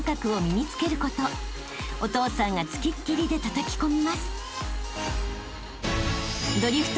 ［お父さんが付きっきりでたたき込みます］